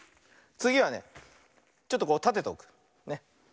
つぎはねちょっとたてておく。ね。